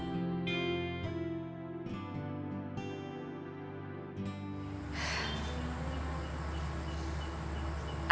dan aku bisa berkumpul denganmu